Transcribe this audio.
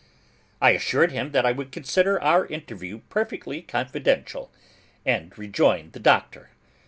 I assured him that I would consider our interview perfectly confidential; and rejoined the Doctor.